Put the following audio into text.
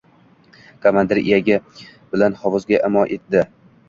Komandir iyagi bilan hovuzga imo etdi.